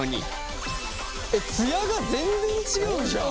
えっツヤが全然違うじゃん！